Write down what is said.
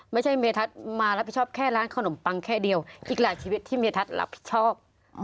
ไม่ใช่เมทัศน์มารับผิดชอบแค่ร้านขนมปังแค่เดียวอีกหลายชีวิตที่เมทัศน์รับผิดชอบ